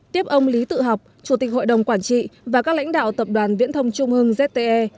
tiếp ông lý tự học chủ tịch hội đồng quản trị và các lãnh đạo tập đoàn viễn thông trung hưng zte